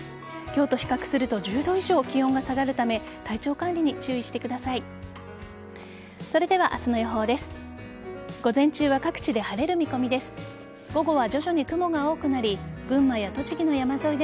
今日と比較すると１０度以上気温が下がるため体調管理に注意してください。